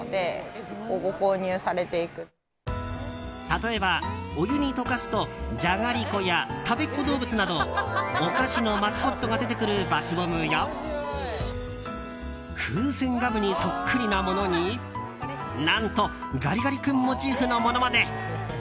例えば、お湯に溶かすとじゃがりこやたべっ子どうぶつなどお菓子のマスコットが出てくるバスボムやフーセンガムにそっくりなものに何とガリガリ君モチーフのものまで。